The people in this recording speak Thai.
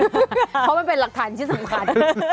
เพราะมันเป็นหลักฐานที่สำคัญ